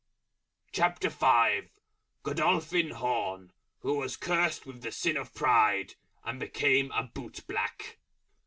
GODOLPHIN HORNE, _Who was cursed with the Sin of Pride, and Became a Boot Black.